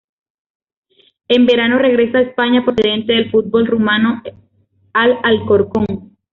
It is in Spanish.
En verano regresa a España, procedente del fútbol Rumano al Alcorcón.